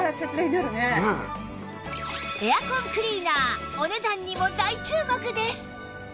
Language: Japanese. エアコンクリーナーお値段にも大注目です！